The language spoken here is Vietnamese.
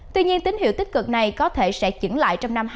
tuy nhiên tín hiệu tích cực này có thể sẽ chỉnh lại trong thời gian tới